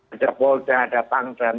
ada polda ada pangdam